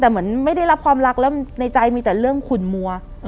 แต่เหมือนไม่ได้รับความรักแล้วในใจมีแต่เรื่องขุนมัว